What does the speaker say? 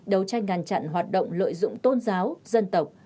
đấu tranh ngăn chặn hoạt động lợi dụng tôn giáo dân tộc